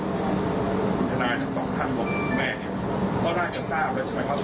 ทนายทั้งสองท่านของคุณแม่เนี่ยก็น่าจะทราบแล้วใช่ไหมครับ